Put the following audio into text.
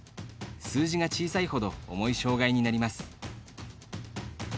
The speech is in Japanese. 数字が小さいほど重い障がいになります。